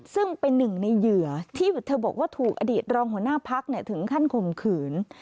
ซึ่งเป็นหนึ่งในเหยื่อที่เธอบอกว่าถูกอดีตรองหัวหน้าพักถึงขั้นข่มขืน